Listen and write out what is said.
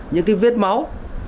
những cái vết máu